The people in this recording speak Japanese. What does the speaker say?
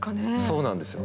そうなんですよ。